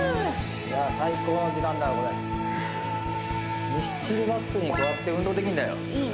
最高の時間だわこれミスチルバックにこうやって運動できんだよ